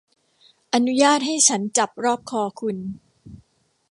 อนุญาตให้ฉันจับรอบคอคุณ